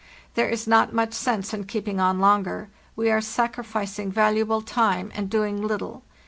There is not much sense in keeping on longer; we are sacrificing valuable time and doing little.